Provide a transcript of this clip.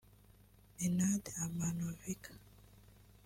Nenad Amanovic